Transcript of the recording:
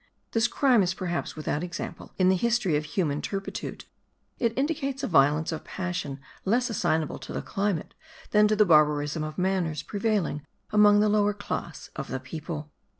This crime is perhaps without example in the history of human turpitude: it indicates a violence of passion less assignable to the climate than to the barbarism of manners prevailing among the lower class of the people.